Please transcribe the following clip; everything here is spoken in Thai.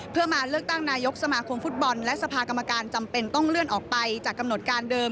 เพื่อมาเลือกตั้งนายกสมาคมฟุตบอลและสภากรรมการจำเป็นต้องเลื่อนออกไปจากกำหนดการเดิม